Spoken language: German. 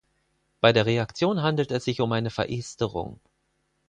Bei der Reaktion handelt es sich um eine Veresterung.